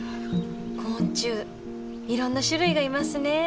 昆虫いろんな種類がいますね。